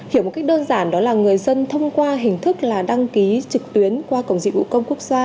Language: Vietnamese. hiểu một cách đơn giản đó là người dân thông qua hình thức là đăng ký trực tuyến qua cổng dịch vụ công quốc gia